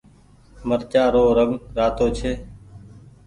مرچآ رو رنگ رآتو ڇي۔